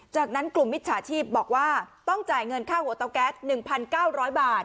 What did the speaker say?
จากนั้นกลุ่มมิจฉาชีพบอกว่าต้องจ่ายเงินค่าหัวเตาแก๊ส๑๙๐๐บาท